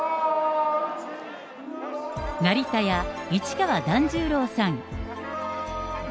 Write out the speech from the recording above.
成田屋・市川團十郎さん。